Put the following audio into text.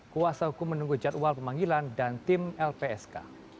kuasa hukum menunggu jadwal pemanggilan dan tim lpsk